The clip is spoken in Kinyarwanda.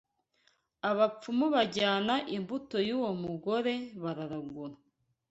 Abapfumu bajyana imbuto y’uwo mugore bararagura